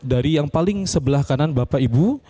dari yang paling sebelah kanan bapak ibu